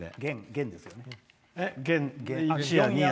弦ですよね。